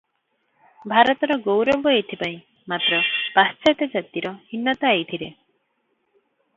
ଭାରତର ଗୌରବ ଏଇଥି ପାଇଁ ମାତ୍ର ପାଶ୍ଚାତ୍ତ୍ୟ ଜାତିର ହୀନତା ଏଇଥିରେ ।